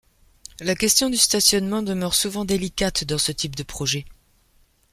La question du stationnement demeure souvent délicate dans ce type de projet.